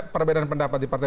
perbedaan pendapat di partai